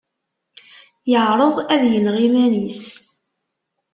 Yeεreḍ ad yenɣ iman-is.